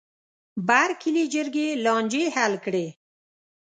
بر کلي جرګې لانجې حل کړې.